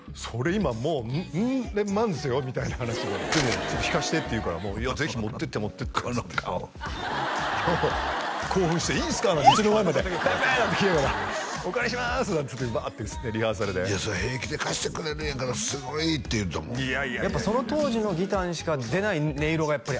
今もううん万ですよみたいな話でちょっと弾かしてって言うからぜひ持ってって持ってってこの顔興奮して「いいんすか！」家の前まで「お借りします」なんつってバーッてリハーサルでそれ平気で貸してくれるんやからすごいって言ってたもんやっぱその当時のギターにしか出ない音色がやっぱりある？